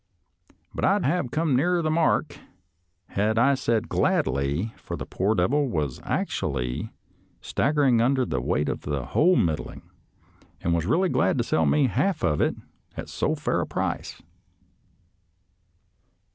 " But I would have come nearer the mark had I said ' gladly,' for the poor devil was actually staggering under the weight of the whole middling, and was really glad to sell me half of it at so fair a price."